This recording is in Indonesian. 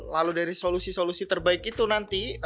lalu dari solusi solusi terbaik itu nanti